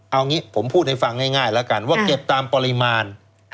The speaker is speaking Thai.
เอางี้ผมพูดให้ฟังง่ายแล้วกันว่าเก็บตามปริมาณ